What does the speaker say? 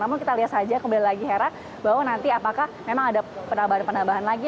namun kita lihat saja kembali lagi hera bahwa nanti apakah memang ada penambahan penambahan lagi